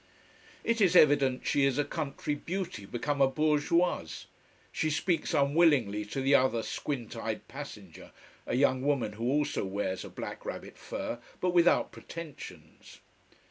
It is evident she is a country beauty become a bourgeoise. She speaks unwillingly to the other squint eyed passenger, a young woman who also wears a black rabbit fur, but without pretensions.